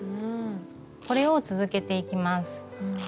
これを続けていきます。